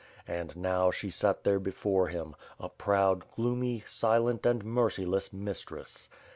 And, now, she sat there before him, a proud, gloomy, silent and merciless mistress.